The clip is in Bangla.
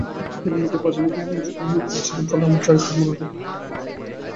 এরই মধ্যে পাশবিক মনোবৃত্তিজনিত অমিতাচারের ফলে আমার চারিত্রিক ও মনোগত পরিবর্তন বেশ খানিকটা ঘটেছিল।